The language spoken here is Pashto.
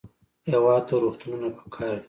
هېواد ته روغتونونه پکار دي